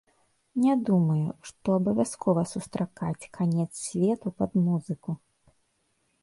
Не думаю, што абавязкова сустракаць канец свету пад музыку.